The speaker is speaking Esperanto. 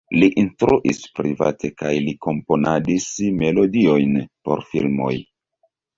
Li instruis private kaj li komponadis melodiojn por filmoj.